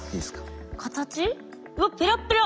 うわペラッペラ。